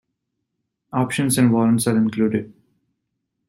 Options and warrants are included.